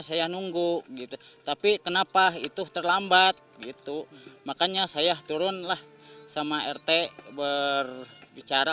saya nunggu gitu tapi kenapa itu terlambat gitu makanya saya turunlah sama rt berbicara